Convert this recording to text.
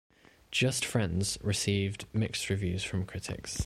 "Just Friends" received mixed reviews from critics.